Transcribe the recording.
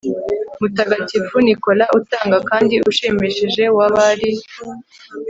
mutagatifu nicholas utanga kandi ushimishije wa bari